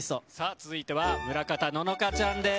続いては村方乃々佳ちゃんです。